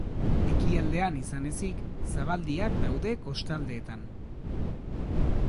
Ekialdean izan ezik, zabaldiak daude kostaldeetan.